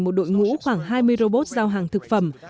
một đội ngũ khoảng hai mươi robot giao hàng thực phẩm